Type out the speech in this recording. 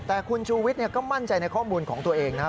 แต่คุณชูวิทย์ก็มั่นใจในข้อมูลของตัวเองนะครับ